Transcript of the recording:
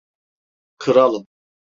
Kralım!